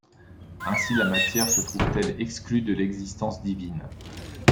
Ainsi, la matière se trouve-t-elle exclue de l'existence divine.